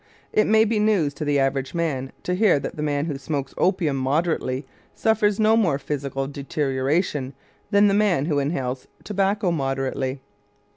It may be news to the average man to hear that the man who smokes opium moderately suffers no more physical deterioration than the man who inhales tobacco moderately.